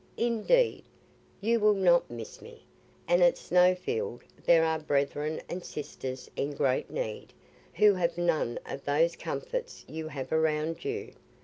Indeed, you will not miss me; and at Snowfield there are brethren and sisters in great need, who have none of those comforts you have around you.